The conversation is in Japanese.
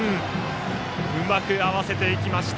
うまく合わせていきました。